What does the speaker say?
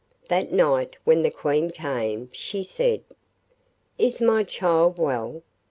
That night when the Queen came she said: 'Is my child well?